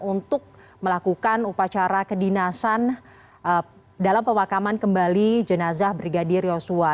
untuk melakukan upacara kedinasan dalam pemakaman kembali jenazah brigadir yosua